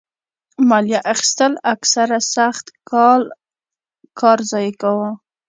مالیه اخیستل اکثره سخت کال کار ضایع کاوه.